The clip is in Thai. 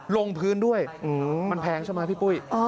ลงพื้นด้วยมันแพงใช่ไหมพี่ปุ้ย